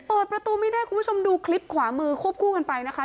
เปิดประตูไม่ได้คุณผู้ชมดูคลิปขวามือควบคู่กันไปนะคะ